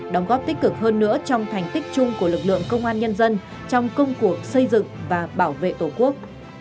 đóng góp tích cực hơn nữa trong thành tích chung của lực lượng công an nhân dân trong công cuộc xây dựng và bảo vệ tổ quốc